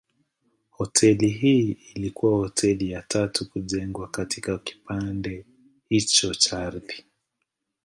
Hoteli hii ilikuwa hoteli ya tatu kujengwa katika kipande hicho cha ardhi.